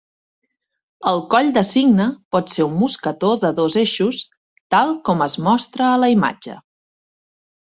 El coll de cigne pot ser un mosquetó de dos eixos tal com es mostra a la imatge.